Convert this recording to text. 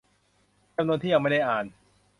จำนวนที่ยังไม่ได้อ่าน